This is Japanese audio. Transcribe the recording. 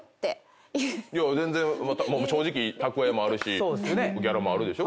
全然正直蓄えもあるしギャラもあるでしょ。